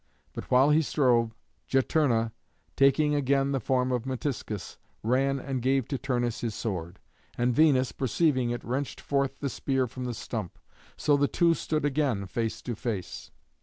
But while he strove, Juturna, taking again the form of Metiscus, ran and gave to Turnus his sword. And Venus, perceiving it, wrenched forth the spear from the stump. So the two stood again face to face.